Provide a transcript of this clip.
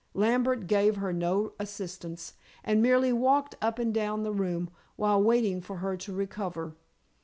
Lambert gave her no assistance, and merely walked up and down the room while waiting for her to recover.